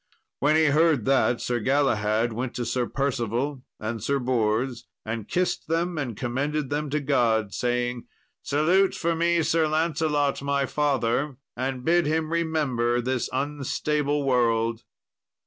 When he heard that, Sir Galahad went to Sir Percival and Sir Bors and kissed them and commended them to God, saying, "Salute for me Sir Lancelot, my father, and bid him remember this unstable world."